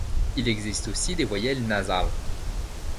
Il existe aussi des voyelles nasales.